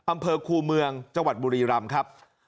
อำเภอคูเมืองจังหวัดบุรีรำครับ